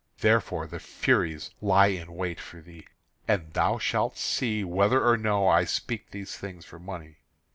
Therefore the Furies lie in wait for thee, and thou shalt see whether or no I speak these things for money.